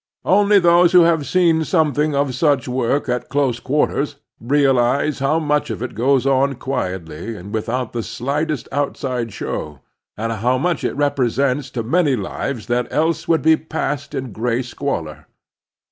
Only those who have seen something of such work at close quarters realize how much of it goes on quietly and without the slightest outside show, and how much it represents to many lives that else would be passed in gray squalor.